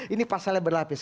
ini pasalnya berlapis